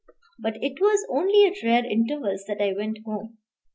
But it was only at rare intervals that I went home.